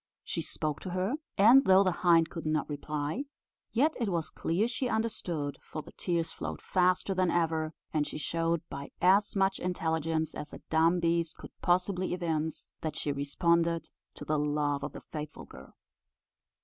She spoke to her, and though the hind could not reply, yet it was clear she understood, for the tears flowed faster than ever, and she showed, by as much intelligence as a dumb beast could possibly evince, that she responded to the love of the faithful girl.